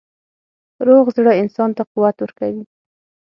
روغ زړه انسان ته قوت ورکوي.